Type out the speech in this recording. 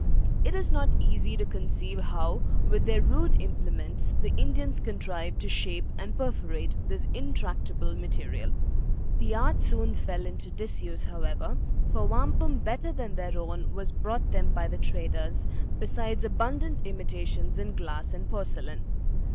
It is not easy to conceive how, with their rude implements, the Indians contrived to shape and perforate this intractable material. The art soon fell into disuse, however; for wampum better than their own was brought them by the traders, besides abundant imitations in glass and porcelain.